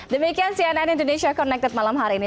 demikian cnn indonesia connected malam hari ini